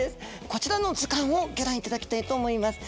こちらの図鑑をギョ覧いただきたいと思います。